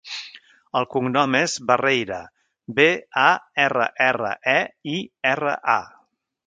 El cognom és Barreira: be, a, erra, erra, e, i, erra, a.